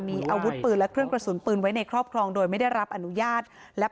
มีอาวุธปืนและเครื่องกระสุนปืนไว้ในครอบครองโดยไม่ได้รับอนุญาตและ